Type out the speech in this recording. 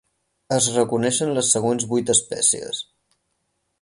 Es reconeixen les següents vuit espècies.